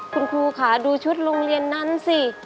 คุณครูค่ะดูชุดโรงเรียนนั้นสิ